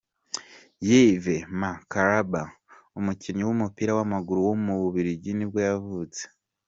Yves Ma-Kalambay, umukinnyi w’umupira w’amaguru w’umubiligi nibwo yavutse.